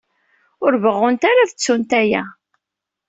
Ur beɣɣunt ara ad ttunt aya.